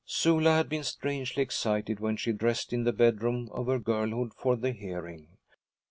Sula had been strangely excited when she dressed in the bedroom of her girlhood for the hearing.